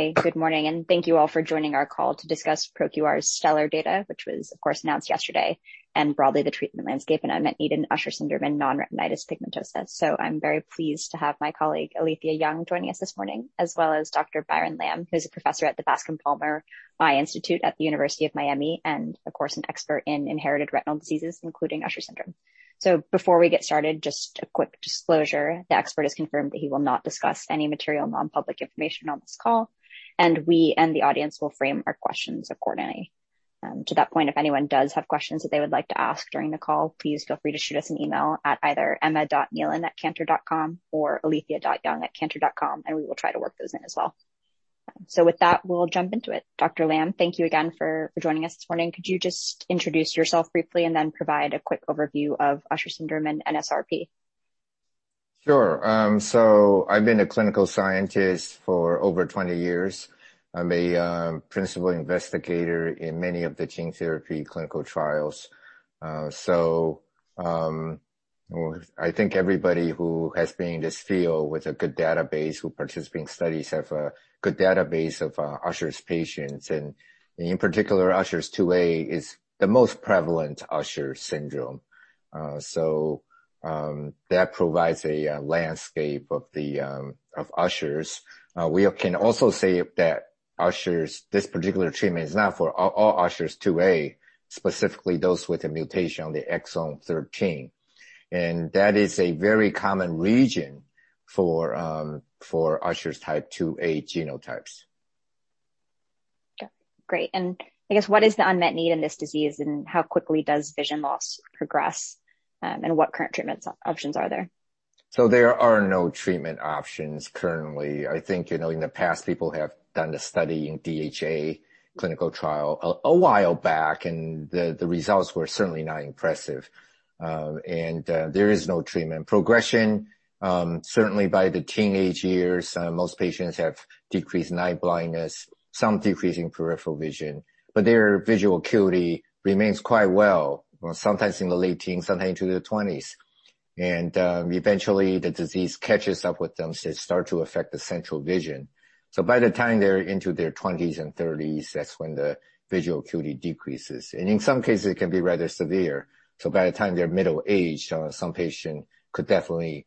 Hi. Good morning. Thank you all for joining our call to discuss ProQR's STELLAR data, which was, of course, announced yesterday and broadly the treatment landscape and unmet need in Usher syndrome and non-retinitis pigmentosa. I'm very pleased to have my colleague, Alethia Young, joining us this morning, as well as Dr. Byron Lam, who's a Professor at the Bascom Palmer Eye Institute at the University of Miami and, of course, an expert in inherited retinal diseases, including Usher syndrome. Before we get started, just a quick disclosure, the expert has confirmed that he will not discuss any material non-public information on this call, and we and the audience will frame our questions accordingly. To that point, if anyone does have questions that they would like to ask during the call, please feel free to shoot us an email at either emma.nealon@cantor.com or alethia.young@cantor.com, and we will try to work those in as well. With that, we'll jump into it. Dr Lam, thank you again for joining us this morning. Could you just introduce yourself briefly and then provide a quick overview of Usher syndrome and nsRP? Sure. I've been a clinical scientist for over 20 years. I'm a principal investigator in many of the gene therapy clinical trials. I think everybody who has been in this field with a good database will participate in studies have a good database of Usher's patients. In particular, Usher 2A is the most prevalent Usher syndrome. That provides a landscape of Usher syndrome. We can also say that Usher syndrome, this particular treatment is not for all Usher 2A, specifically those with a mutation on the exon 13. That is a very common region for Usher syndrome type 2A genotypes. Okay, great. What is the unmet need in this disease, and how quickly does vision loss progress, and what current treatment options are there? There are no treatment options currently. I think, in the past, people have done the study in DHA clinical trial a while back, and the results were certainly not impressive. There is no treatment progression. Certainly by the teenage years, most patients have decreased night blindness, some decrease in peripheral vision. Their visual acuity remains quite well, sometimes in the late teens, sometimes into their 20s. Eventually, the disease catches up with them, so it start to affect the central vision. By the time they're into their 20s and 30s, that's when the visual acuity decreases. In some cases, it can be rather severe. By the time they're middle-aged, some patient could definitely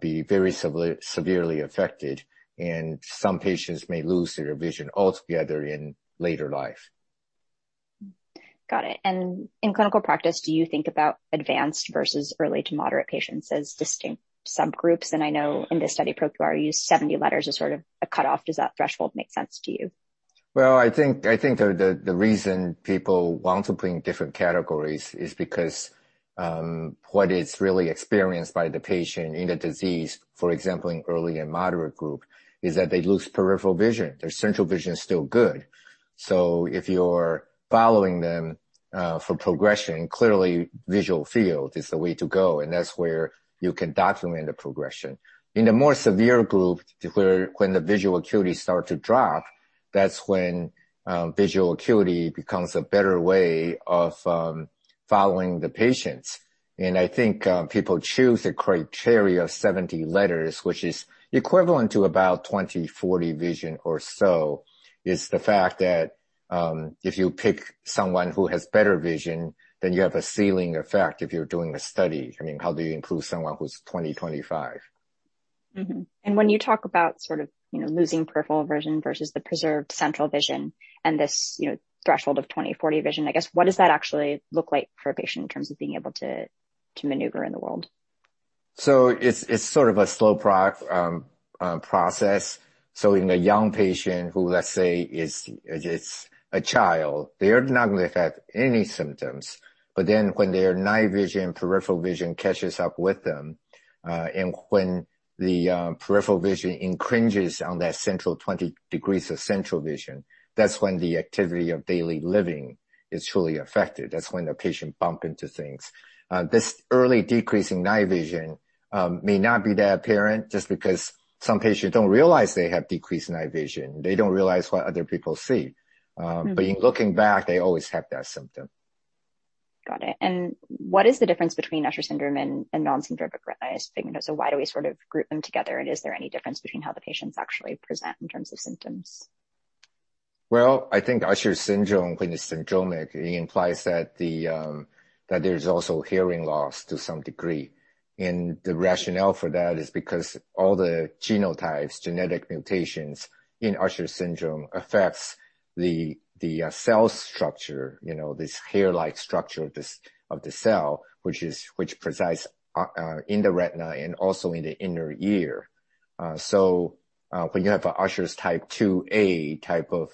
be very severely affected, and some patients may lose their vision altogether in later life. Got it. In clinical practice, do you think about advanced versus early to moderate patients as distinct subgroups? I know in this study, ProQR used 70 letters as sort of a cutoff. Does that threshold make sense to you? Well, I think the reason people want to put in different categories is because, what is really experienced by the patient in a disease, for example, in early and moderate group, is that they lose peripheral vision. Their central vision is still good. If you're following them for progression, clearly visual field is the way to go, and that's where you can document the progression. In a more severe group, when the visual acuity start to drop, that's when visual acuity becomes a better way of following the patients. I think people choose the criteria of 70 letters, which is equivalent to about 20/40 vision or so. It's the fact that, if you pick someone who has better vision, then you have a ceiling effect if you're doing a study. I mean, how do you include someone who's 20/25? Mm-hmm. When you talk about sort of losing peripheral vision versus the preserved central vision and this threshold of 20/40 vision, I guess what does that actually look like for a patient in terms of being able to maneuver in the world? It's sort of a slow process. In a young patient who, let's say, is a child, they're not going to have any symptoms. When their night vision, peripheral vision catches up with them, and when the peripheral vision encroaches on that central 20 degrees of central vision, that's when the activity of daily living is truly affected. That's when the patient bump into things. This early decrease in night vision may not be that apparent just because some patients don't realize they have decreased night vision. They don't realize what other people see. In looking back, they always have that symptom. Got it. What is the difference between Usher syndrome and non-syndromic retinitis pigmentosa? Why do we sort of group them together, and is there any difference between how the patients actually present in terms of symptoms? Well, I think Usher syndrome, when it's syndromic, it implies that there's also hearing loss to some degree. The rationale for that is because all the genotypes, genetic mutations in Usher syndrome affects the cell structure, this hair-like structure of the cell, which resides in the retina and also in the inner ear. When you have a Usher type 2A type of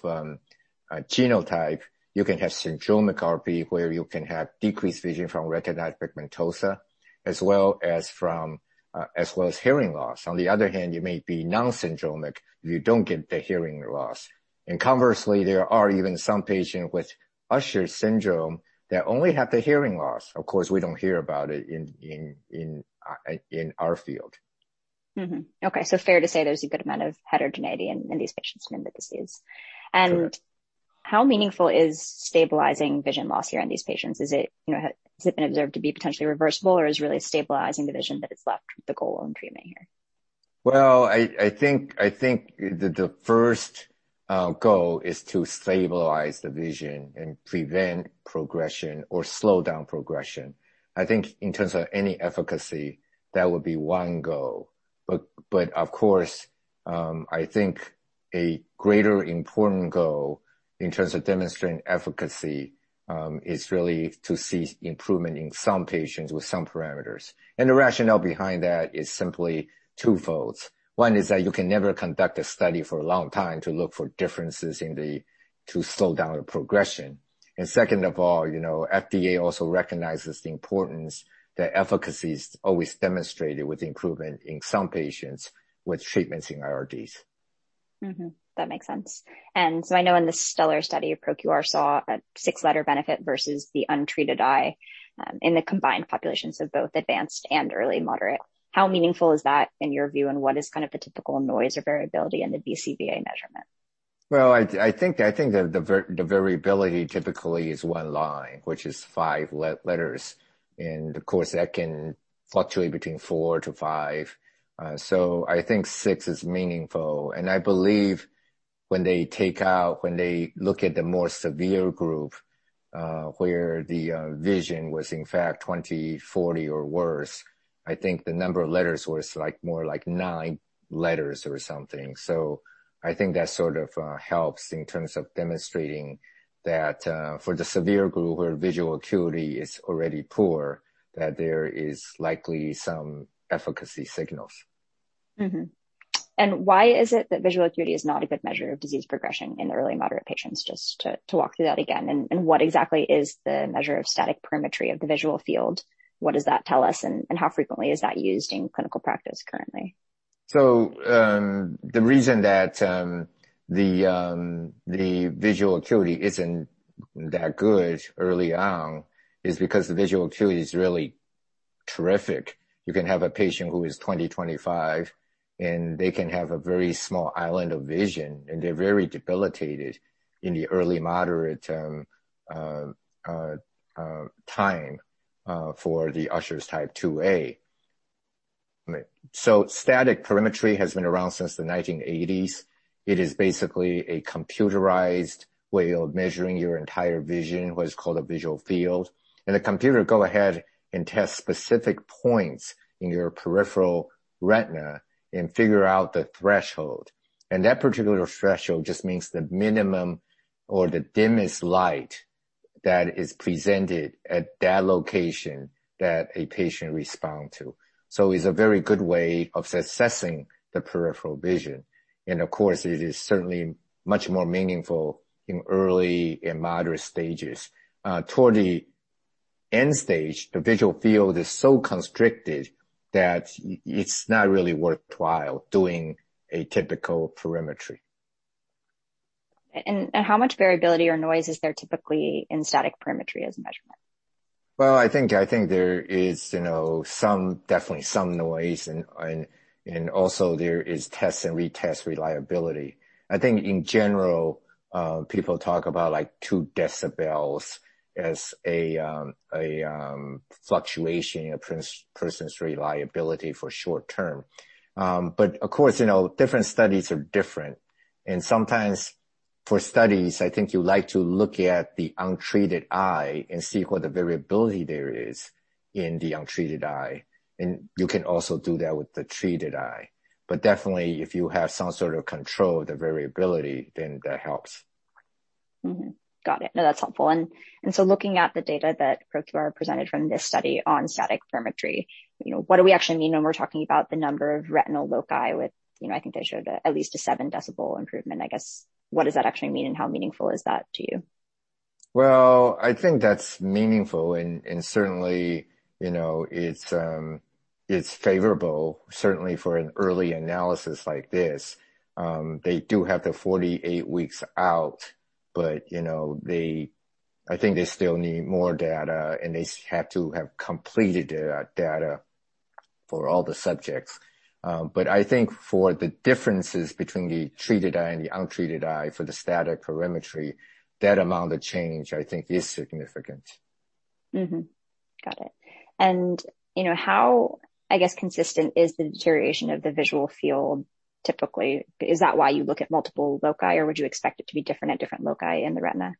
genotype, you can have syndromic RP, where you can have decreased vision from retinitis pigmentosa, as well as hearing loss. On the other hand, you may be nonsyndromic, you don't get the hearing loss. Conversely, there are even some patient with Usher syndrome that only have the hearing loss. Of course, we don't hear about it in our field. Okay, fair to say there's a good amount of heterogeneity in these patients and in the disease. How meaningful is stabilizing vision loss here in these patients? Has it been observed to be potentially reversible, or is really stabilizing the vision that is left the goal in treatment here? I think the first goal is to stabilize the vision and prevent progression or slow down progression. I think in terms of any efficacy, that would be one goal. Of course, I think a greater important goal in terms of demonstrating efficacy, is really to see improvement in some patients with some parameters. The rationale behind that is simply twofolds. One is that you can never conduct a study for a long time to look for differences to slow down the progression. Second of all, FDA also recognizes the importance that efficacy is always demonstrated with improvement in some patients with treatments in IRDs. Mm-hmm. That makes sense. I know in the STELLAR study of ProQR saw a six-letter benefit versus the untreated eye, in the combined populations of both advanced and early moderate. How meaningful is that in your view, and what is kind of the typical noise or variability in the BCVA measurement? Well, I think the variability typically is one line, which is five letters. Of course, that can fluctuate between four-five. I think six is meaningful. I believe when they look at the more severe group, where the vision was in fact 20/40 or worse, I think the number of letters was more like nine letters or something. I think that sort of helps in terms of demonstrating that for the severe group where visual acuity is already poor, that there is likely some efficacy signals. Mm-hmm. Why is it that visual acuity is not a good measure of disease progression in early moderate patients, just to walk through that again, and what exactly is the measure of static perimetry of the visual field? What does that tell us? How frequently is that used in clinical practice currently? The reason that the visual acuity isn't that good early on is because the visual acuity is really terrific. You can have a patient who is 20/25, and they can have a very small island of vision, and they're very debilitated in the early moderate time for the Usher type 2A. Static perimetry has been around since the 1980s. It is basically a computerized way of measuring your entire vision, what is called a visual field. The computer go ahead and test specific points in your peripheral retina and figure out the threshold. That particular threshold just means the minimum or the dimmest light that is presented at that location that a patient respond to. It's a very good way of assessing the peripheral vision. Of course, it is certainly much more meaningful in early and moderate stages. Toward the end stage, the visual field is so constricted that it's not really worthwhile doing a typical perimetry. How much variability or noise is there typically in static perimetry as a measurement? I think there is definitely some noise and also there is test and retest reliability. I think in general, people talk about 2 dB as a fluctuation in a person's reliability for short term. Of course, different studies are different, and sometimes for studies, I think you like to look at the untreated eye and see what the variability there is in the untreated eye. You can also do that with the treated eye. Definitely, if you have some sort of control of the variability, then that helps. Got it. No, that's helpful. Looking at the data that ProQR presented from this study on static perimetry, what do we actually mean when we're talking about the number of retinal loci with, I think they showed at least a 7 dB improvement, I guess. What does that actually mean, and how meaningful is that to you? I think that's meaningful and certainly, it's favorable certainly for an early analysis like this. They do have the 48 weeks out but I think they still need more data, and they have to have completed their data for all the subjects. I think for the differences between the treated eye and the untreated eye for the static perimetry, that amount of change, I think is significant. Got it. How, I guess, consistent is the deterioration of the visual field typically? Is that why you look at multiple loci, or would you expect it to be different at different loci in the retina?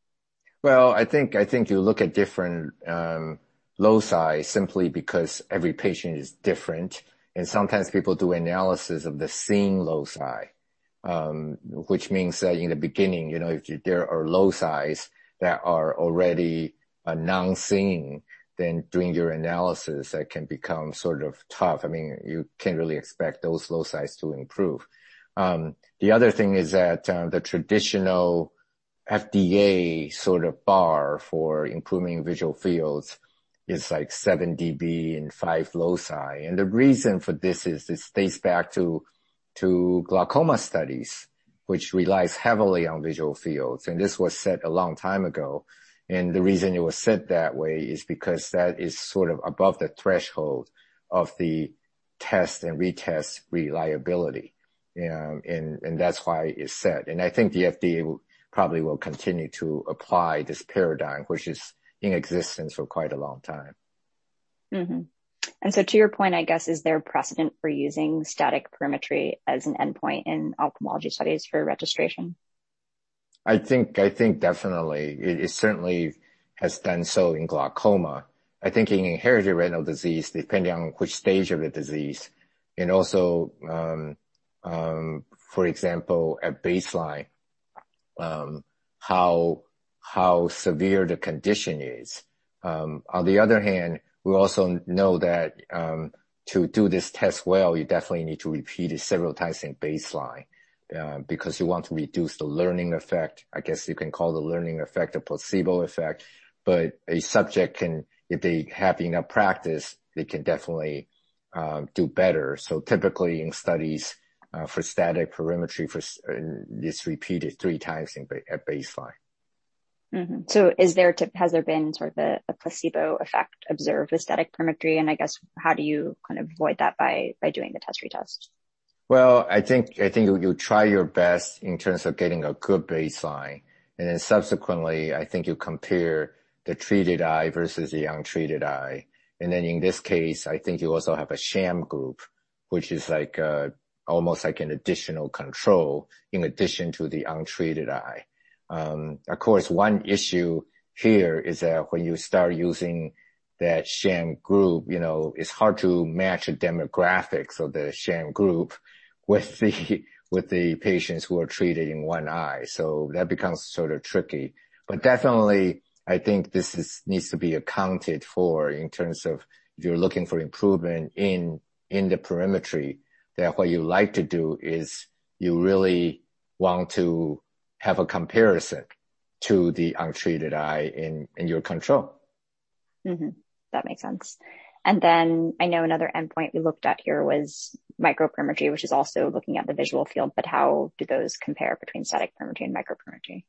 Well, I think you look at different loci simply because every patient is different, and sometimes people do analysis of the same loci, which means that in the beginning, if there are loci that are already non-seeing, then doing your analysis, that can become sort of tough. You can't really expect those loci to improve. The other thing is that the traditional FDA sort of bar for improving visual fields is like 7 dB and five loci. The reason for this is this dates back to glaucoma studies, which relies heavily on visual fields, and this was set a long time ago. The reason it was set that way is because that is sort of above the threshold of the test and retest reliability. That's why it's set. I think the FDA probably will continue to apply this paradigm, which is in existence for quite a long time. To your point, I guess, is there a precedent for using static perimetry as an endpoint in ophthalmology studies for registration? I think definitely. It certainly has done so in glaucoma. I think in inherited retinal disease, depending on which stage of the disease, and also, for example, at baseline, how severe the condition is. On the other hand, we also know that to do this test well, you definitely need to repeat it several times at baseline because you want to reduce the learning effect. I guess you can call the learning effect a placebo effect. A subject can, if they have enough practice, they can definitely do better. Typically, in studies for static perimetry, it's repeated three times at baseline. Has there been sort of a placebo effect observed with static perimetry? I guess how do you kind of avoid that by doing the test retest? Well, I think you try your best in terms of getting a good baseline. Subsequently, I think you compare the treated eye versus the untreated eye. In this case, I think you also have a sham group, which is almost like an additional control in addition to the untreated eye. That becomes sort of tricky. Definitely, I think this needs to be accounted for in terms of if you're looking for improvement in the perimetry, that what you like to do is you really want to have a comparison to the untreated eye in your control. That makes sense. I know another endpoint we looked at here was microperimetry, which is also looking at the visual field. How do those compare between static perimetry and microperimetry?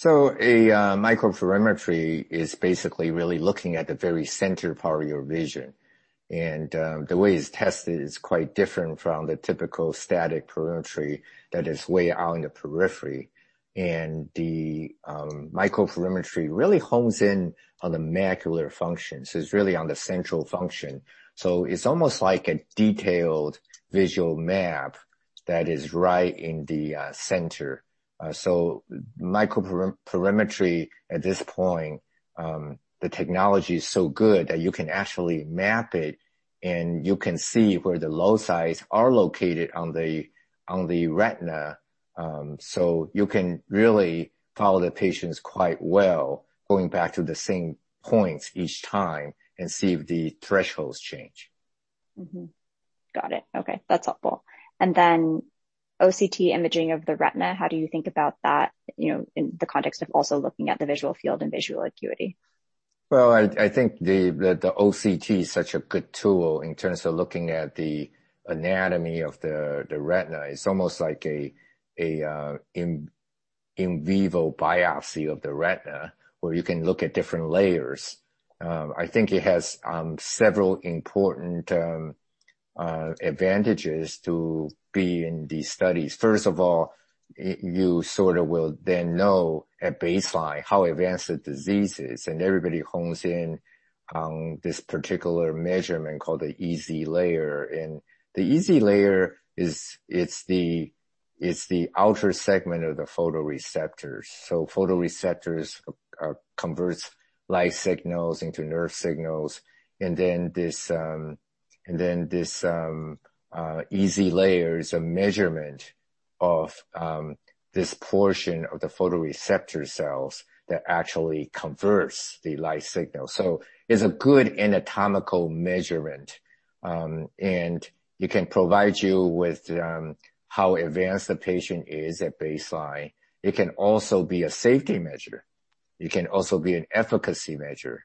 A microperimetry is basically really looking at the very center part of your vision. The way it's tested is quite different from the typical static perimetry that is way out in the periphery. The microperimetry really hones in on the macular function. It's really on the central function. It's almost like a detailed visual map that is right in the center. Microperimetry at this point, the technology is so good that you can actually map it, and you can see where the loci are located on the retina. You can really follow the patients quite well, going back to the same points each time and see if the thresholds change. Mm-hmm. Got it. Okay. That's helpful. Then OCT imaging of the retina, how do you think about that in the context of also looking at the visual field and visual acuity? Well, I think that the OCT is such a good tool in terms of looking at the anatomy of the retina. It's almost like a in vivo biopsy of the retina, where you can look at different layers. I think it has several important advantages to be in these studies. First of all, you sort of will then know at baseline how advanced the disease is. Everybody hones in on this particular measurement called the EZ layer. The EZ layer, it's the outer segment of the photoreceptors. Photoreceptors converts light signals into nerve signals. This EZ layer is a measurement of this portion of the photoreceptor cells that actually converts the light signal. It's a good anatomical measurement. It can provide you with how advanced the patient is at baseline. It can also be a safety measure. It can also be an efficacy measure.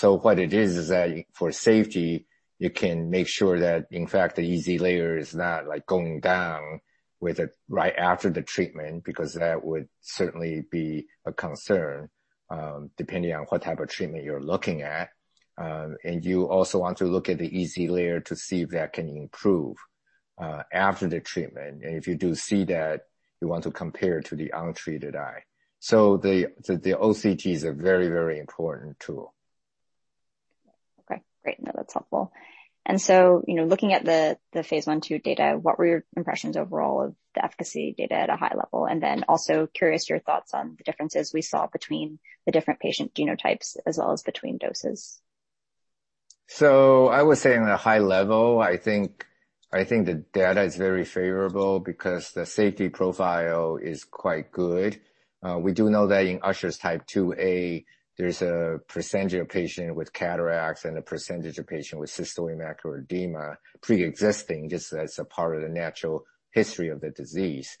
What it is that for safety, you can make sure that, in fact, the EZ layer is not going down right after the treatment, because that would certainly be a concern, depending on what type of treatment you're looking at. You also want to look at the EZ layer to see if that can improve after the treatment. If you do see that, you want to compare to the untreated eye. The OCT is a very, very important tool. Okay, great. No, that's helpful. Looking at the phase I/II data, what were your impressions overall of the efficacy data at a high level? Also curious your thoughts on the differences we saw between the different patient genotypes as well as between doses? I would say on a high level, I think the data is very favorable because the safety profile is quite good. We do know that in Usher type 2A, there's a percentage of patients with cataracts and a percentage of patients with cystoid macular edema pre-existing, just as a part of the natural history of the disease.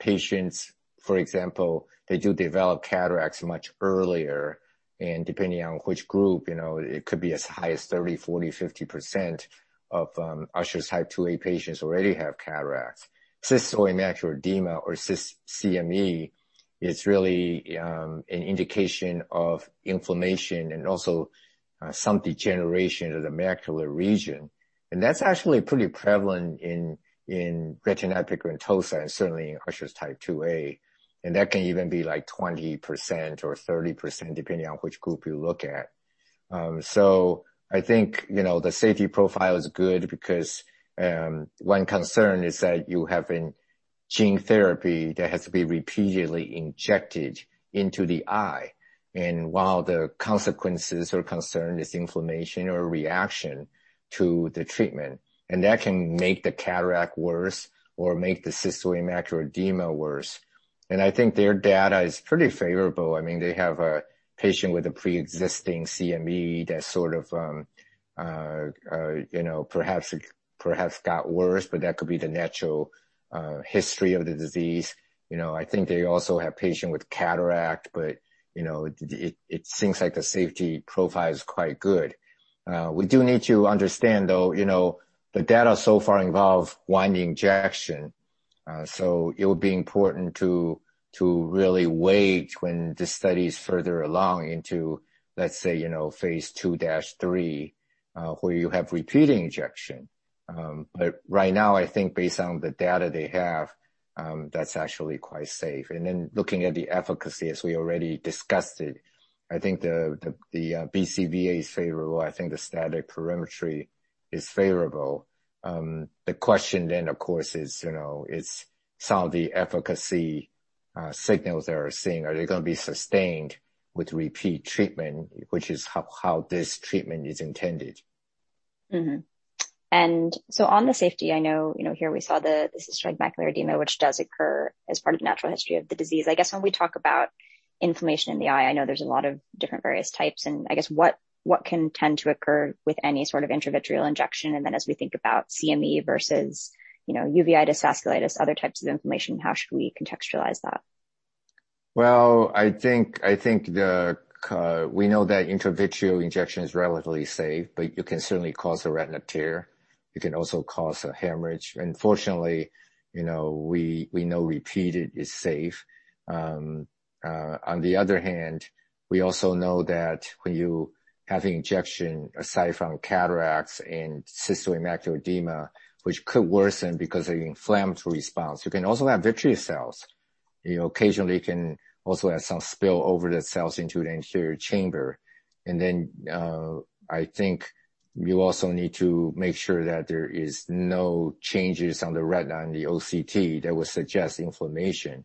Patients, for example, they do develop cataracts much earlier, and depending on which group, it could be as high as 30%, 40%, 50% of Usher type 2A patients already have cataracts. Cystoid macular edema or CME. It's really an indication of inflammation and also some degeneration of the macular region. That's actually pretty prevalent in retinitis pigmentosa and certainly in Usher type 2A, and that can even be 20% or 30%, depending on which group you look at. I think the safety profile is good because one concern is that you have a gene therapy that has to be repeatedly injected into the eye. While the consequences or concern is inflammation or reaction to the treatment, that can make the cataract worse or make the cystoid macular edema worse. I think their data is pretty favorable. They have a patient with a preexisting CME that perhaps got worse, but that could be the natural history of the disease. I think they also have patient with cataract, but it seems like the safety profile is quite good. We do need to understand, though, the data so far involve one injection. It would be important to really wait when the study is further along into, let's say, phase II-III, where you have repeating injection. Right now, I think based on the data they have, that's actually quite safe. Looking at the efficacy, as we already discussed it, I think the BCVA is favorable. I think the static perimetry is favorable. The question then, of course, is some of the efficacy signals they are seeing, are they going to be sustained with repeat treatment, which is how this treatment is intended. On the safety, I know, here we saw the cystoid macular edema, which does occur as part of the natural history of the disease. I guess when we talk about inflammation in the eye, I know there's a lot of different various types, and I guess what can tend to occur with any sort of intravitreal injection, and then as we think about CME versus uveitis, vasculitis, other types of inflammation, how should we contextualize that? Well, I think we know that intravitreal injection is relatively safe, but you can certainly cause a retina tear. It can also cause a hemorrhage. Fortunately, we know repeated is safe. On the other hand, we also know that when you have injection, aside from cataracts and cystoid macular edema, which could worsen because of the inflammatory response, you can also have vitreous cells. Occasionally, you can also have some spillover cells into the anterior chamber. I think you also need to make sure that there is no changes on the retina on the OCT that would suggest inflammation.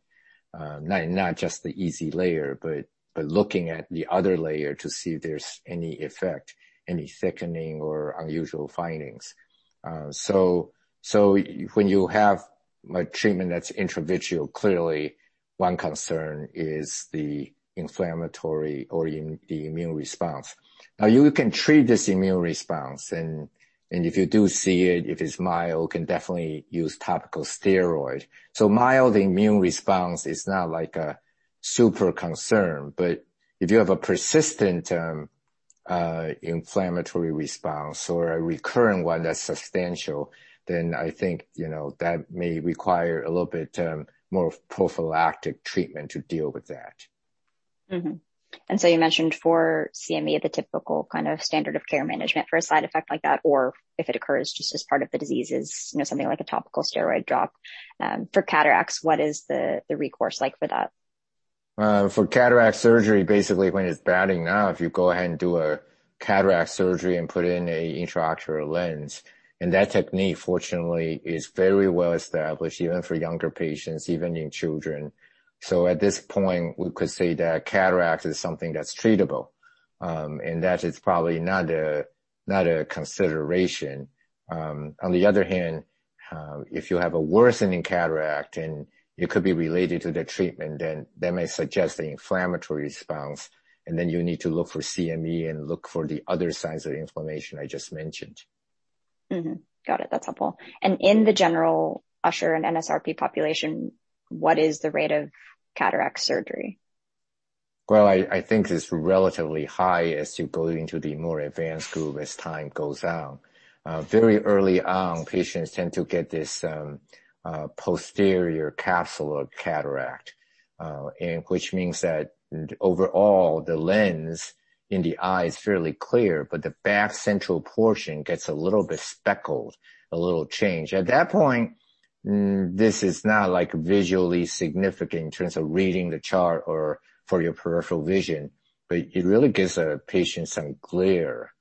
Not just the EZ layer, but looking at the other layer to see if there's any effect, any thickening, or unusual findings. When you have a treatment that's intravitreal, clearly one concern is the inflammatory or the immune response. Now you can treat this immune response, and if you do see it, if it's mild, you can definitely use topical steroid. Mild immune response is not a super concern, but if you have a persistent inflammatory response or a recurring one that's substantial, then I think that may require a little bit more prophylactic treatment to deal with that. You mentioned for CME, the typical kind of standard of care management for a side effect like that or if it occurs just as part of the disease is something like a topical steroid drop. For cataracts, what is the recourse like for that? For cataract surgery, basically, when it's bad enough, you go ahead and do a cataract surgery and put in an intraocular lens. That technique, fortunately, is very well established, even for younger patients, even in children. At this point, we could say that a cataract is something that's treatable, and that is probably not a consideration. On the other hand, if you have a worsening cataract and it could be related to the treatment, then that may suggest the inflammatory response, and then you need to look for CME and look for the other signs of inflammation I just mentioned. Got it. That's helpful. In the general Usher and nsRP population, what is the rate of cataract surgery? Well, I think it's relatively high as you go into the more advanced group as time goes on. Very early on, patients tend to get this posterior capsular cataract, which means that overall, the lens in the eye is fairly clear, but the back central portion gets a little bit speckled, a little change. At that point, this is not visually significant in terms of reading the chart or for your peripheral vision, but it really gives a patient some glare.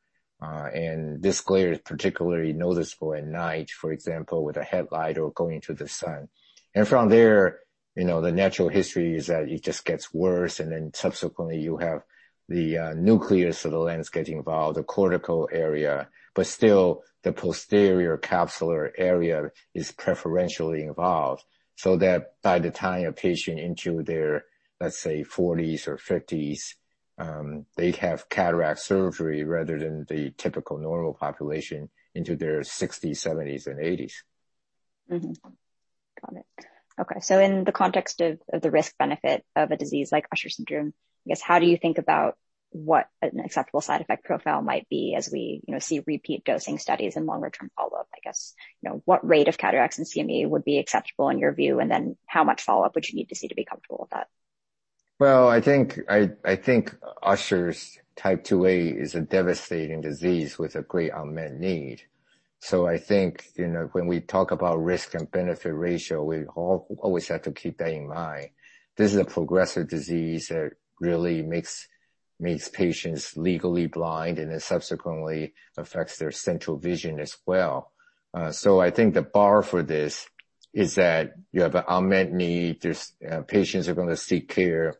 This glare is particularly noticeable at night, for example, with a headlight or going into the sun. From there, the natural history is that it just gets worse, and then subsequently, you have the nucleus of the lens getting involved, the cortical area. Still, the posterior capsular area is preferentially involved, so that by the time a patient into their, let's say, 40s or 50s, they have cataract surgery rather than the typical normal population into their 60s, 70s, and 80s. Mm-hmm. Got it. Okay. In the context of the risk-benefit of a disease like Usher syndrome, I guess, how do you think about what an acceptable side effect profile might be as we see repeat dosing studies and longer-term follow-up. I guess, what rate of cataracts and CME would be acceptable in your view, and then how much follow-up would you need to see to be comfortable with that? Well, I think Usher type 2A is a devastating disease with a great unmet need. I think, when we talk about risk and benefit ratio, we always have to keep that in mind. This is a progressive disease that really makes patients legally blind and then subsequently affects their central vision as well. I think the bar for this is that you have an unmet need, patients are going to seek care,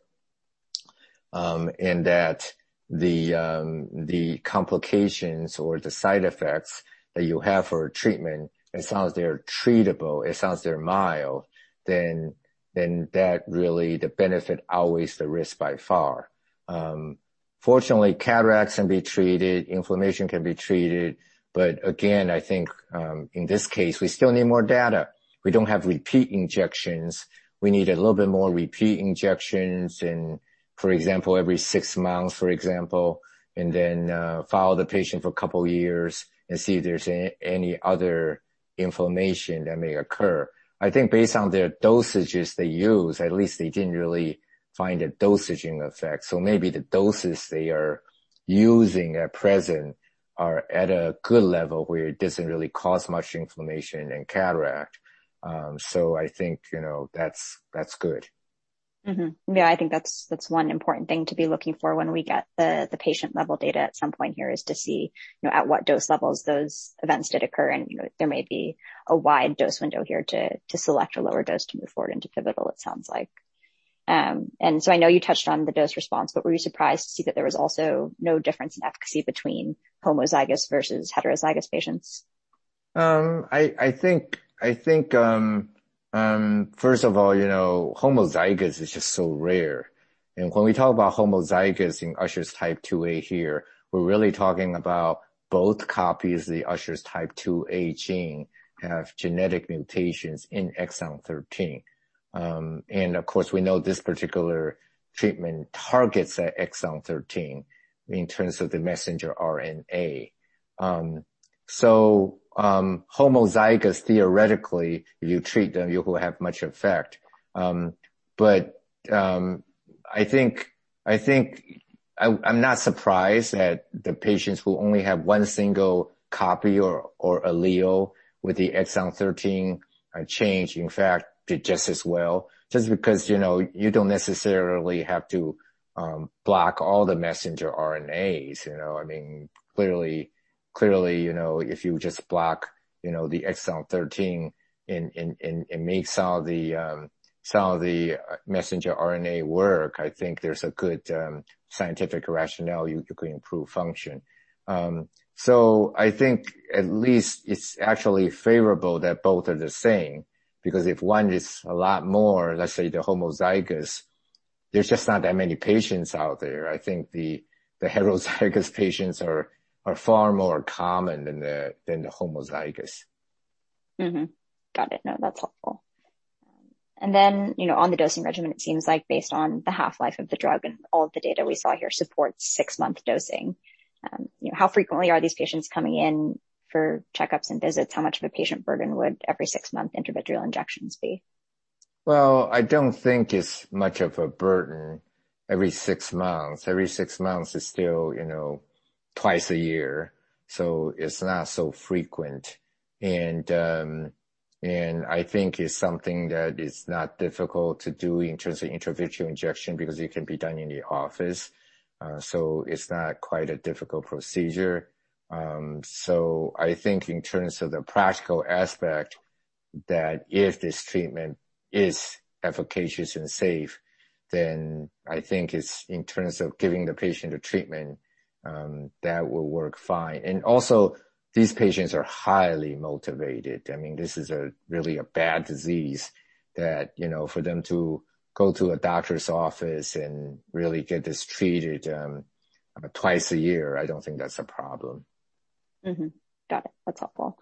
and that the complications or the side effects that you have for treatment, as long as they are treatable, as long as they are mild, then the benefit outweighs the risk by far. Fortunately, cataracts can be treated, inflammation can be treated. Again, I think, in this case, we still need more data. We don't have repeat injections. We need a little bit more repeat injections in, for example, every six months, for example, and then follow the patient for a couple of years and see if there's any other inflammation that may occur. I think based on the dosages they use, at least they didn't really find a dosing effect. Maybe the doses they are using at present are at a good level where it doesn't really cause much inflammation and cataract. I think that's good. Yeah, I think that's one important thing to be looking for when we get the patient-level data at some point here, is to see at what dose levels those events did occur. There may be a wide dose window here to select a lower dose to move forward into pivotal, it sounds like. I know you touched on the dose response, were you surprised to see that there was also no difference in efficacy between homozygous versus heterozygous patients? I think, first of all, homozygous is just so rare. When we talk about homozygous in Usher type 2A here, we're really talking about both copies of the Usher type 2A gene have genetic mutations in exon 13. Of course, we know this particular treatment targets that exon 13 in terms of the messenger RNA. Homozygous, theoretically, if you treat them, you will have much effect. I'm not surprised that the patients who only have one single copy or allele with the exon 13 change, in fact, did just as well, just because you don't necessarily have to block all the messenger RNAs. Clearly, if you just block the exon 13 and make some of the messenger RNA work, I think there's a good scientific rationale you could improve function. I think at least it's actually favorable that both are the same, because if one is a lot more, let's say the homozygous, there's just not that many patients out there. I think the heterozygous patients are far more common than the homozygous. Mm-hmm. Got it. No, that's helpful. Then, on the dosing regimen, it seems like based on the half-life of the drug and all of the data we saw here supports six-month dosing. How frequently are these patients coming in for checkups and visits? How much of a patient burden would every six-month intravitreal injections be? Well, I don't think it's much of a burden every six months. Every six months is still twice a year. It's not so frequent. I think it's something that is not difficult to do in terms of intravitreal injection because it can be done in the office. It's not quite a difficult procedure. I think in terms of the practical aspect, that if this treatment is efficacious and safe, I think in terms of giving the patient a treatment, that will work fine. Also, these patients are highly motivated. This is really a bad disease that for them to go to a doctor's office and really get this treated twice a year, I don't think that's a problem. Mm-hmm. Got it. That's helpful.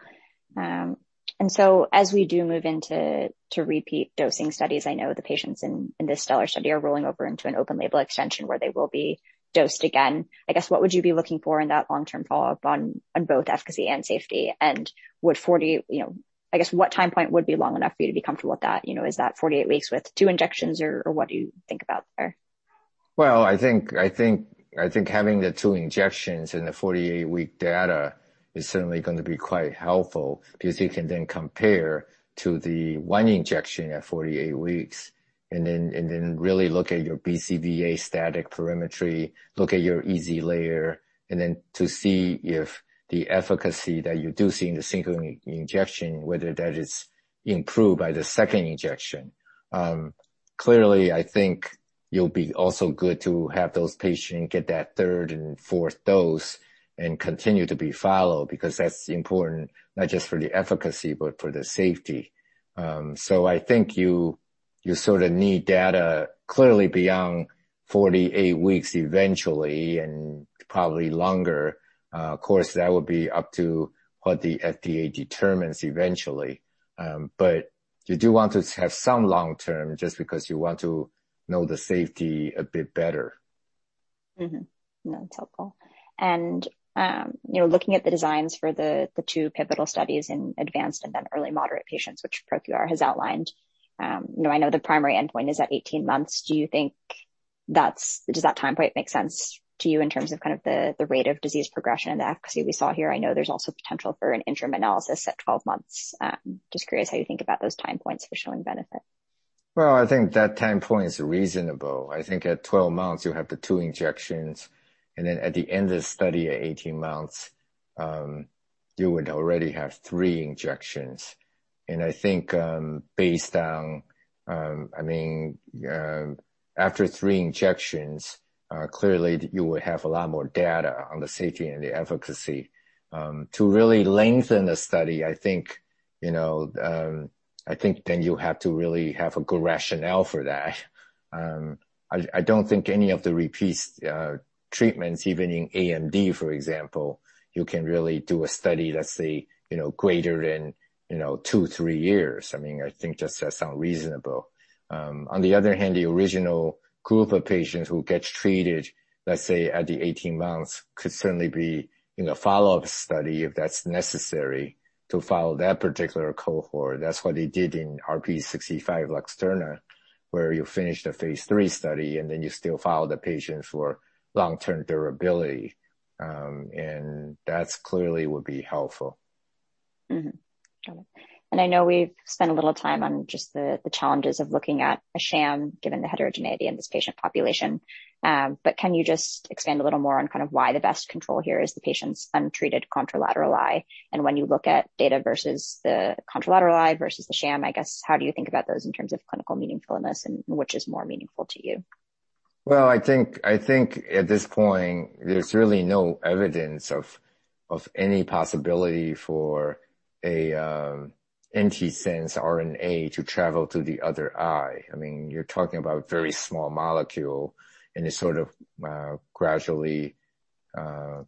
As we do move into repeat dosing studies, I know the patients in this STELLAR study are rolling over into an open-label extension where they will be dosed again. I guess what would you be looking for in that long-term follow-up on both efficacy and safety? I guess what time point would be long enough for you to be comfortable with that? Is that 48 weeks with two injections or what do you think about there? I think having the two injections and the 48-week data is certainly going to be quite helpful because you can then compare to the one injection at 48 weeks, and then really look at your BCVA static perimetry, look at your EZ layer, and then to see if the efficacy that you do see in the single injection, whether that is improved by the second injection. Clearly, I think you'll be also good to have those patients get that third and fourth dose and continue to be followed because that's important, not just for the efficacy but for the safety. I think you sort of need data clearly beyond 48 weeks eventually and probably longer course, that would be up to what the FDA determines eventually. You do want to have some long-term, just because you want to know the safety a bit better. Mm-hmm. No, that's helpful. Looking at the designs for the two pivotal studies in advanced and then early moderate patients, which ProQR has outlined. I know the primary endpoint is at 18 months. Do you think does that time point make sense to you in terms of kind of the rate of disease progression and the efficacy we saw here? I know there's also potential for an interim analysis at 12 months. Just curious how you think about those time points for showing benefit? Well, I think that time point is reasonable. I think at 12 months, you have the two injections, and then at the end of the study at 18 months, you would already have three injections. I think based on after three injections, clearly you would have a lot more data on the safety and the efficacy. To really lengthen the study, I think then you have to really have a good rationale for that. I don't think any of the repeat treatments, even in AMD, for example, you can really do a study, let's say, greater than two, three years. I think just that's unreasonable. On the other hand, the original group of patients who gets treated, let's say, at the 18 months, could certainly be in a follow-up study if that's necessary to follow that particular cohort. That's what they did in RPE65 LUXTURNA, where you finish the phase III study, and then you still follow the patient for long-term durability. That clearly would be helpful. Mm-hmm. Got it. I know we've spent a little time on just the challenges of looking at a sham given the heterogeneity in this patient population. Can you just expand a little more on kind of why the best control here is the patient's untreated contralateral eye? When you look at data versus the contralateral eye versus the sham, I guess, how do you think about those in terms of clinical meaningfulness and which is more meaningful to you? Well, I think at this point, there's really no evidence of any possibility for an antisense RNA to travel to the other eye. You're talking about very small molecule, and it sort of gradually,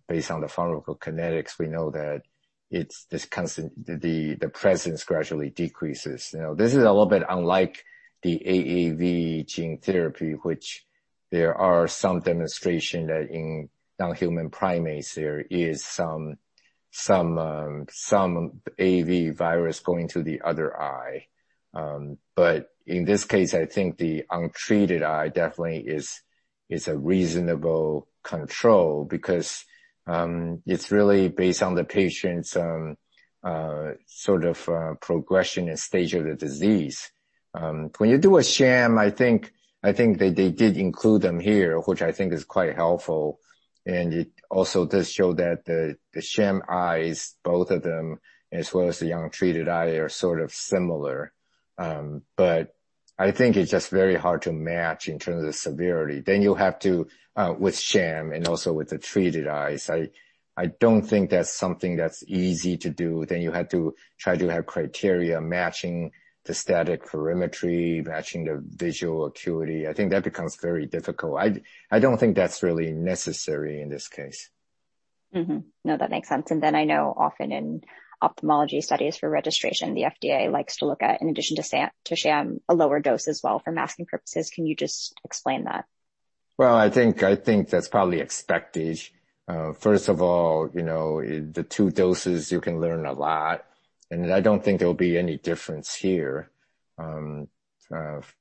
based on the pharmacokinetics, we know that the presence gradually decreases. This is a little bit unlike the AAV gene therapy, which there are some demonstration that in non-human primates, there is some AAV virus going to the other eye. In this case, I think the untreated eye definitely is a reasonable control because it's really based on the patient's sort of progression and stage of the disease. When you do a sham, I think that they did include them here, which I think is quite helpful. It also does show that the sham eyes, both of them, as well as the untreated eye, are sort of similar. I think it's just very hard to match in terms of severity. You have to with sham and also with the treated eyes. I don't think that's something that's easy to do. You have to try to have criteria matching the static perimetry, matching the visual acuity. I think that becomes very difficult. I don't think that's really necessary in this case. Mm-hmm. No, that makes sense. I know often in ophthalmology studies for registration, the FDA likes to look at, in addition to sham, a lower dose as well for masking purposes. Can you just explain that? Well, I think that's probably expected. First of all, the two doses you can learn a lot, and I don't think there will be any difference here.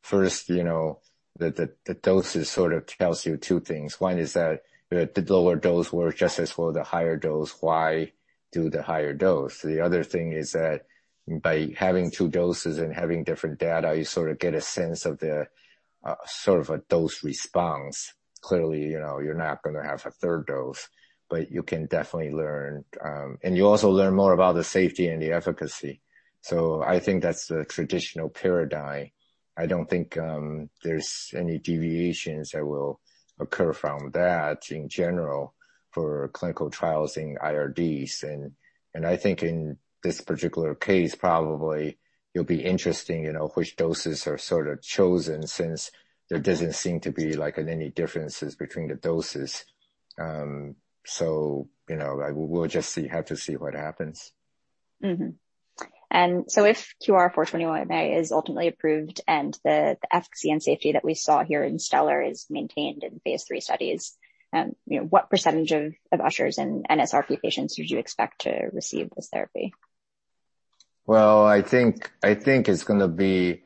First, the doses sort of tells you two things. One is that the lower dose works just as for the higher dose, why do the higher dose? The other thing is that by having two doses and having different data, you sort of get a sense of the sort of a dose response. Clearly, you're not going to have a third dose. You can definitely learn. You also learn more about the safety and the efficacy. I think that's the traditional paradigm. I don't think there's any deviations that will occur from that in general for clinical trials in IRDs. I think in this particular case, probably it'll be interesting which doses are sort of chosen since there doesn't seem to be any differences between the doses. We'll just have to see what happens. If QR-421a is ultimately approved and the efficacy and safety that we saw here in STELLAR is maintained in phase III studies, what percentage of Ushers and nsRP patients would you expect to receive this therapy? I think it's going to be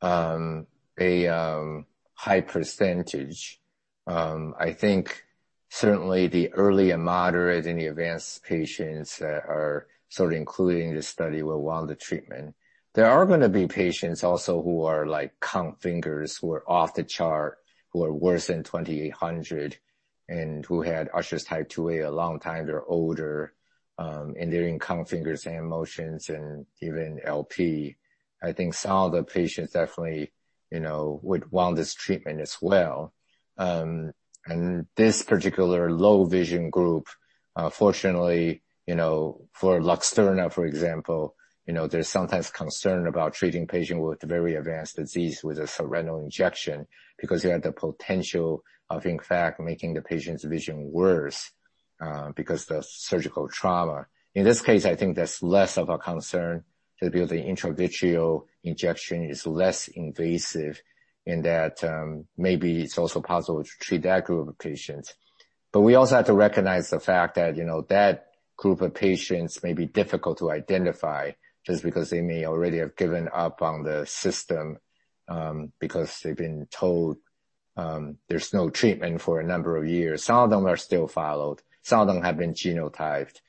a high percentage. I think certainly the early and moderate and the advanced patients that are sort of included in this study will want the treatment. There are going to be patients also who are count fingers, who are off the chart, who are worse than 20/800, and who had Usher's type 2A a long time. They're older, and they're in count fingers hand motions, and even LP. I think some of the patients definitely would want this treatment as well. This particular low vision group. Unfortunately, for LUXTURNA, for example, there's sometimes concern about treating patients with very advanced disease with a subretinal injection because you have the potential of, in fact, making the patient's vision worse because of the surgical trauma. In this case, I think that's less of a concern because the intravitreal injection is less invasive in that maybe it's also possible to treat that group of patients. We also have to recognize the fact that that group of patients may be difficult to identify just because they may already have given up on the system, because they've been told there's no treatment for a number of years. Some of them are still followed. Some of them have been genotyped,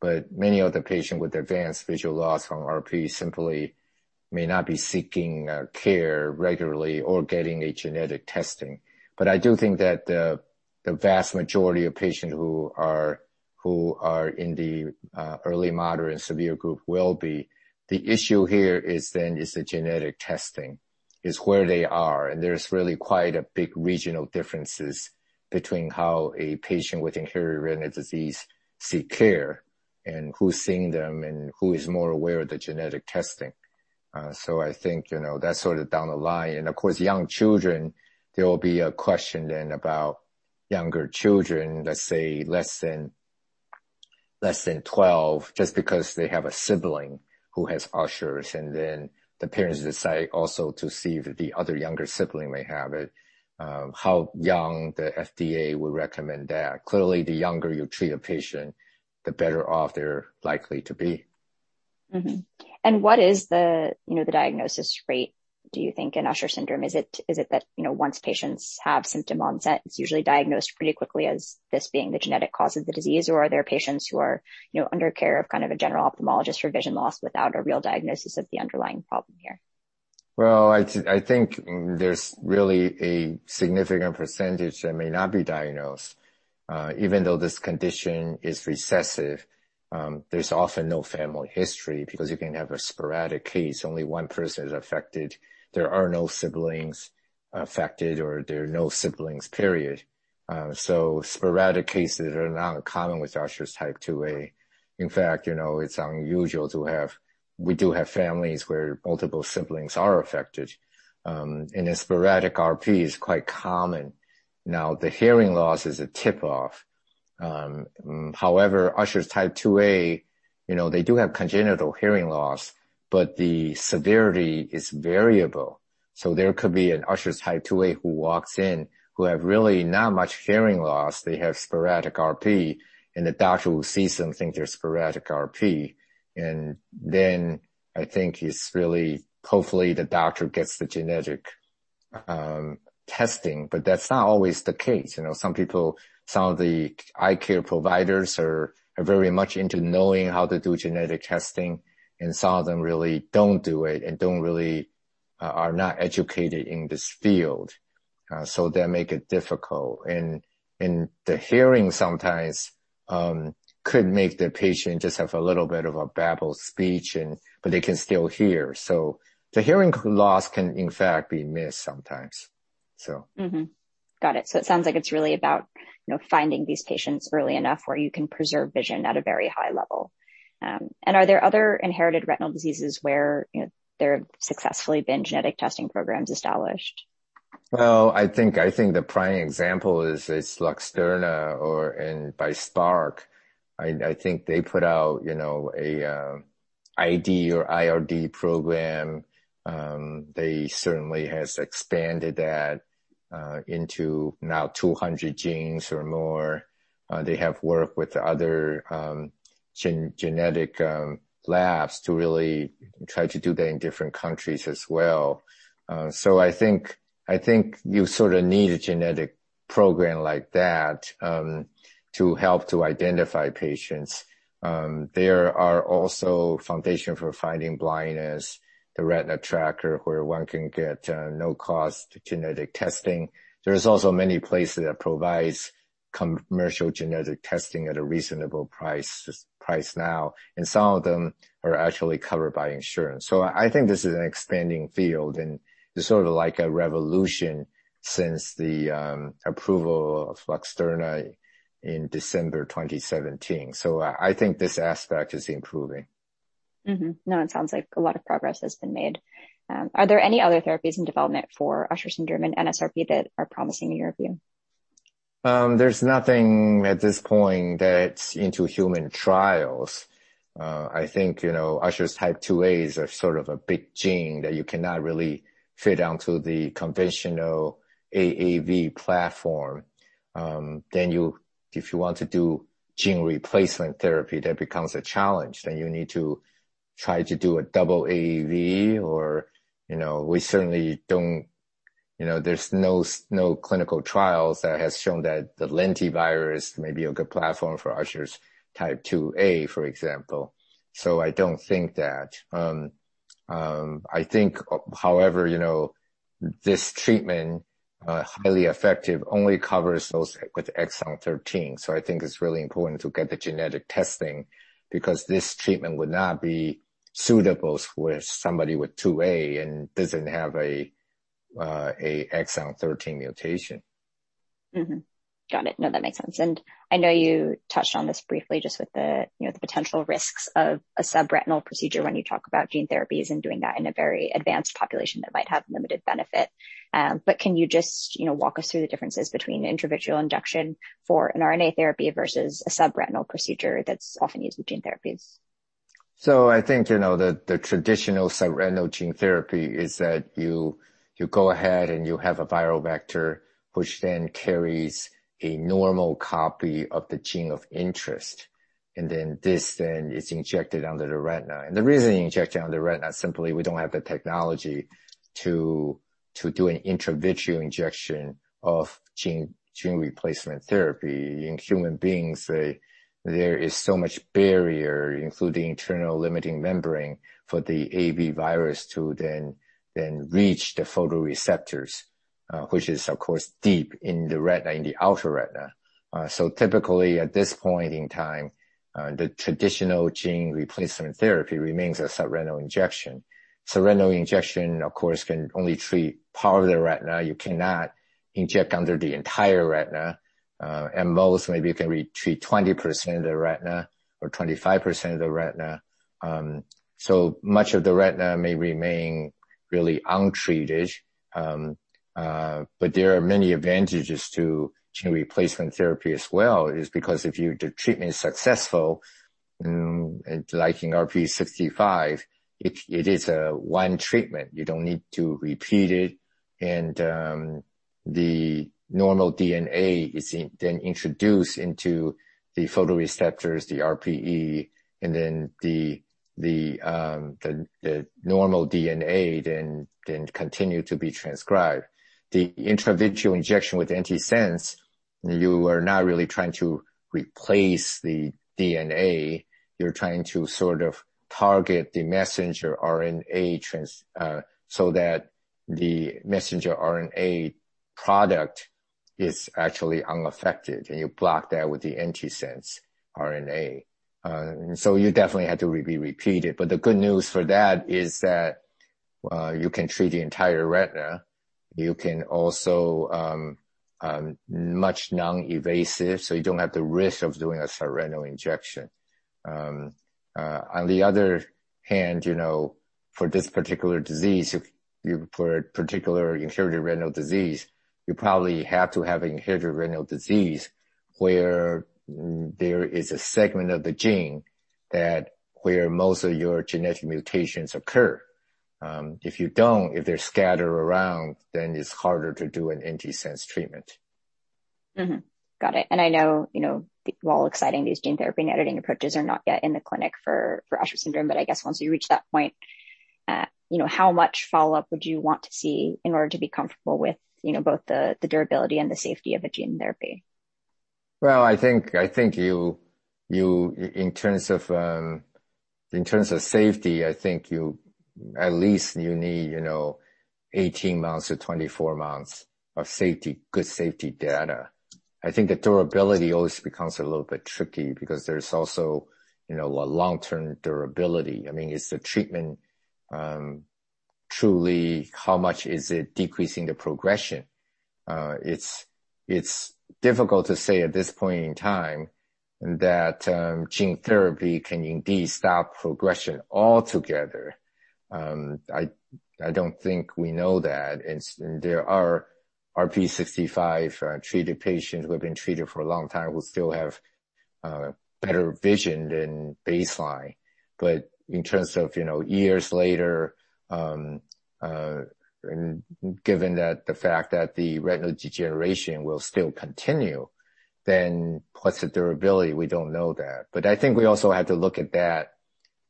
but many of the patients with advanced visual loss from RP simply may not be seeking care regularly or getting a genetic testing. I do think that the vast majority of patients who are in the early moderate severe group will be. The issue here is then is the genetic testing, is where they are, and there's really quite a big regional differences between how a patient with Inherited Retinal Disease seek care and who's seeing them, and who is more aware of the genetic testing. I think that's sort of down the line. Of course, young children, there will be a question then about younger children, let's say less than 12, just because they have a sibling who has Ushers, and then the parents decide also to see if the other younger sibling may have it, how young the FDA would recommend that. Clearly, the younger you treat a patient, the better off they're likely to be. What is the diagnosis rate, do you think, in Usher syndrome? Is it that once patients have symptom onset, it's usually diagnosed pretty quickly as this being the genetic cause of the disease, or are there patients who are under care of kind of a general ophthalmologist for vision loss without a real diagnosis of the underlying problem here? Well, I think there's really a significant percentage that may not be diagnosed. Even though this condition is recessive, there's often no family history because you can have a sporadic case. Only one person is affected. There are no siblings affected, or there are no siblings, period. Sporadic cases are not uncommon with Usher's type 2A. In fact, it's unusual. We do have families where multiple siblings are affected, and in sporadic RP, it's quite common. The hearing loss is a tip-off. Usher's type 2A, they do have congenital hearing loss, but the severity is variable. There could be an Usher's type 2A who walks in who have really not much hearing loss. They have sporadic RP. The doctor will see something, there's sporadic RP. I think it's really, hopefully, the doctor gets the genetic testing, that's not always the case. Some of the eye care providers are very much into knowing how to do genetic testing, some of them really don't do it and don't really, are not educated in this field. That make it difficult. The hearing sometimes could make the patient just have a little bit of a babbled speech, they can still hear. The hearing loss can, in fact, be missed sometimes. Got it. It sounds like it's really about finding these patients early enough where you can preserve vision at a very high level. Are there other Inherited Retinal Diseases where there have successfully been genetic testing programs established? Well, I think the prime example is LUXTURNA by Spark. I think they put out an IRD program. They certainly has expanded that into now 200 genes or more. They have worked with other genetic labs to really try to do that in different countries as well. I think you sort of need a genetic program like that to help to identify patients. There are also Foundation Fighting Blindness, My Retina Tracker, where one can get no-cost genetic testing. There are also many places that provide commercial genetic testing at a reasonable price now, some of them are actually covered by insurance. I think this is an expanding field, and it's sort of like a revolution since the approval of LUXTURNA in December 2017. I think this aspect is improving. Mm-hmm. No, it sounds like a lot of progress has been made. Are there any other therapies in development for Usher syndrome and nsRP that are promising in your view? There's nothing at this point that's into human trials. I think Usher's type 2A is a sort of a big gene that you cannot really fit onto the conventional AAV platform. If you want to do gene replacement therapy, that becomes a challenge. You need to try to do a dual AAV or there's no clinical trials that has shown that the lentivirus may be a good platform for Usher's type 2A, for example. I don't think that. I think, however, this treatment, highly effective, only covers those with exon 13. I think it's really important to get the genetic testing because this treatment would not be suitable for somebody with 2A and doesn't have exon 13 mutation. Mm-hmm. Got it. No, that makes sense. I know you touched on this briefly just with the potential risks of a subretinal procedure when you talk about gene therapies and doing that in a very advanced population that might have limited benefit. Can you just walk us through the differences between an intravitreal injection for an RNA therapy versus a subretinal procedure that's often used with gene therapies? I think, the traditional subretinal gene therapy is that you go ahead and you have a viral vector, which then carries a normal copy of the gene of interest, and then this then is injected under the retina. The reason you inject it under the retina is simply we don't have the technology to do an intravitreal injection of gene replacement therapy in human beings. There is so much barrier, including internal limiting membrane, for the AAV virus to then reach the photoreceptors, which is, of course, deep in the retina, in the outer retina. Typically, at this point in time, the traditional gene replacement therapy remains a subretinal injection. Subretinal injection, of course, can only treat part of the retina. You cannot inject under the entire retina. At most, maybe you can treat 20% of the retina or 25% of the retina. Much of the retina may remain really untreated. There are many advantages to gene replacement therapy as well is because if the treatment is successful, like in RPE65, it is one treatment. You don't need to repeat it. The normal DNA is then introduced into the photoreceptors, the RPE, and then the normal DNA then continue to be transcribed. The intravitreal injection with antisense, you are not really trying to replace the DNA. You're trying to sort of target the messenger RNA so that the messenger RNA product is actually unaffected, and you block that with the antisense RNA. You definitely have to repeat it. The good news for that is that you can treat the entire retina. You can also much non-invasive, so you don't have the risk of doing a subretinal injection. On the other hand, for this particular disease, for a particular inherited retinal disease, you probably have to have inherited retinal disease where there is a segment of the gene that where most of your genetic mutations occur. If you don't, if they're scattered around, then it's harder to do an antisense treatment. Mm-hmm. Got it. I know while exciting, these gene therapy and editing approaches are not yet in the clinic for Usher syndrome, but I guess once you reach that point, how much follow-up would you want to see in order to be comfortable with both the durability and the safety of a gene therapy? I think in terms of safety, I think at least you need 18-24 months of good safety data. I think the durability always becomes a little bit tricky because there's also a long-term durability. I mean, is the treatment truly, how much is it decreasing the progression? It's difficult to say at this point in time that gene therapy can indeed stop progression altogether. I don't think we know that. There are RPE65-treated patients who have been treated for a long time who still have better vision than baseline. In terms of years later, given the fact that the retinal degeneration will still continue, then what's the durability? We don't know that. I think we also have to look at that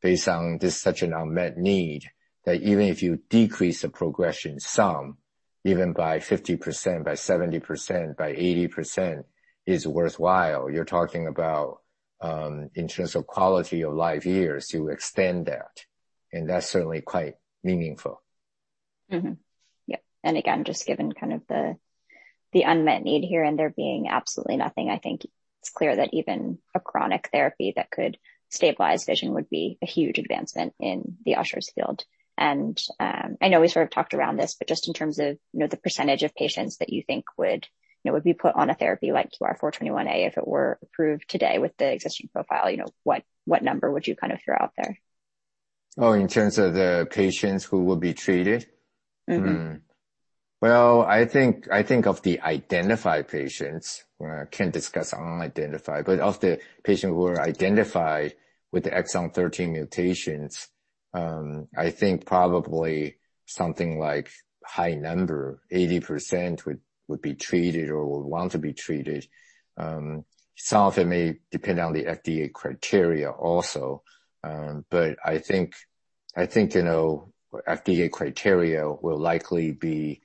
based on this is such an unmet need that even if you decrease the progression some, even by 50%, by 70%, by 80%, is worthwhile. You're talking about in terms of quality of life years to extend that, and that's certainly quite meaningful. Mm-hmm. Yep. Again, just given kind of the unmet need here and there being absolutely nothing, I think it's clear that even a chronic therapy that could stabilize vision would be a huge advancement in the Usher's field. I know we sort of talked around this, but just in terms of the percentage of patients that you think would be put on a therapy like QR-421a if it were approved today with the existing profile, what number would you kind of throw out there? Oh, in terms of the patients who would be treated? Well, I think of the identified patients, can't discuss unidentified, but of the patients who are identified with the exon 13 mutations, I think probably something like high number, 80%, would be treated or would want to be treated. Some of it may depend on the FDA criteria also. I think FDA criteria will likely be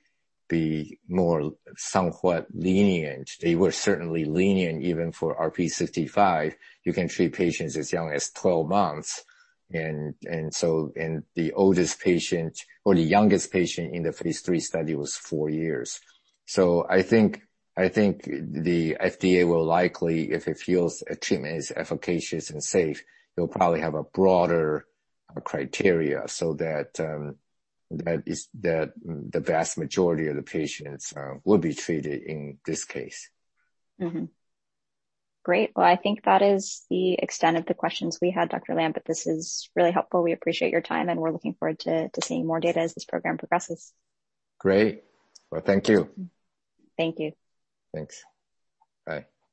more somewhat lenient. They were certainly lenient even for RPE65. You can treat patients as young as 12 months, and the oldest patient or the youngest patient in the phase III study was four years. I think the FDA will likely, if it feels a treatment is efficacious and safe, will probably have a broader criteria so that the vast majority of the patients will be treated in this case. Great. Well, I think that is the extent of the questions we had, Dr. Lam. This is really helpful. We appreciate your time, and we're looking forward to seeing more data as this program progresses. Great. Well, thank you. Thank you. Thanks. Bye.